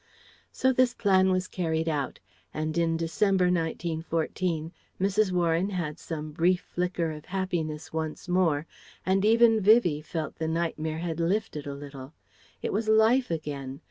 So this plan was carried out. And in December, 1914, Mrs. Warren had some brief flicker of happiness once more, and even Vivie felt the nightmare had lifted a little. It was life again.